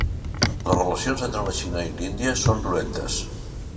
Les relacions entre la Xina i l'Índia són dolentes